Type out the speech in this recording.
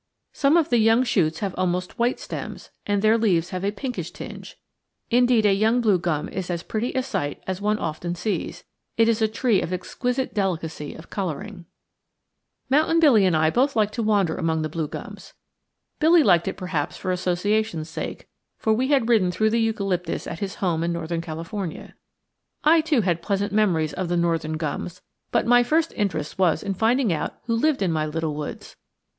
Some of the young shoots have almost white stems, and their leaves have a pinkish tinge. Indeed, a young blue gum is as pretty a sight as one often sees; it is a tree of exquisite delicacy of coloring. [Illustration: EUCALYPTUS WOOD STORED FOR MARKET, IN A EUCALYPTUS GROVE NEAR LOS ANGELES] Mountain Billy and I both liked to wander among the blue gums. Billy liked it, perhaps, for association's sake, for we had ridden through the eucalyptus at his home in northern California. I too had pleasant memories of the northern gums, but my first interest was in finding out who lived in my little woods.